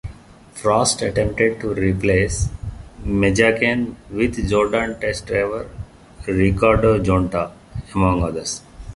Prost attempted to replace Mazzacane with Jordan test driver Ricardo Zonta, among others.